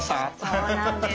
そうなんです。